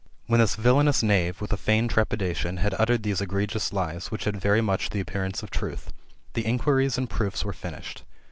When this villanous knave, with a feigned trepidation, had uttered these egregious lies, which had very much the appearance of truth, the inquiries and proofs were finished.